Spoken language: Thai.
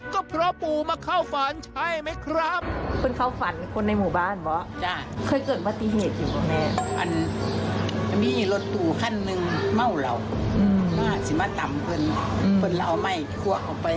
ก็เพราะปู่มาเข้าฝันใช่ไหมครับ